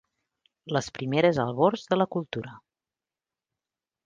Les primeres albors de la cultura.